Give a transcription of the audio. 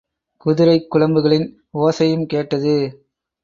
குதிரைக் குளம்புகளின் ஓசையும் கேட்டது.